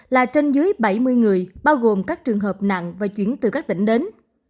là trên dưới bảy mươi người bao gồm các trường hợp nặng và chuyển từ các tỉnh đến